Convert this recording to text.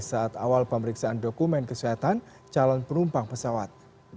saat awal pemeriksaan dokumen kesehatan calon penumpang pesawat